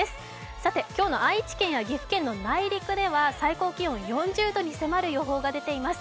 さて、今日の愛知県や岐阜県の内陸では最高気温４０度に迫る予報が出ています。